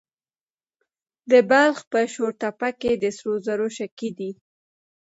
د بلخ په شورتپه کې د سرو زرو شګې دي.